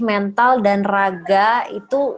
mental dan raga itu